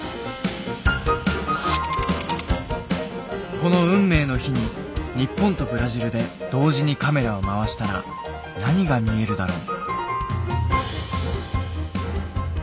この運命の日に日本とブラジルで同時にカメラを回したら何が見えるだろう？